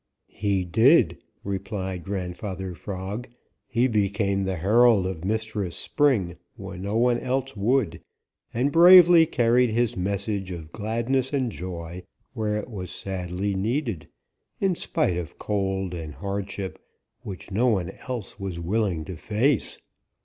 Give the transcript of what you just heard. "He did," replied Grandfather Frog. "He became the herald of Mistress Spring when no one else would, and bravely carried his message of gladness and joy where it was sadly needed, in spite of cold and hardship which no one else was willing to face."